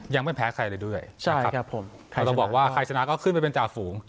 ยังไม่แพ้ใครเลยด้วยใช่ครับผมใครต้องบอกว่าใครชนะก็ขึ้นไปเป็นจ่าฝูง